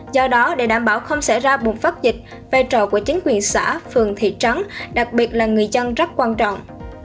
do đó để đảm bảo không xảy ra bùng phát dịch vai trò của chính quyền xã phường thị trắng đặc biệt là người dân rất quan trọng